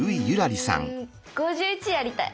うん「５１」やりたい。